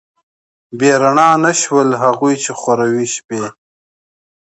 بې رڼا نه شول، هغوی چې خوروي شپې